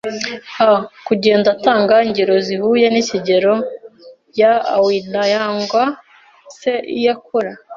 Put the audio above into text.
h Kugenda atanga ingero zihuye n’ikigero y’a awira yangwa se iyo akora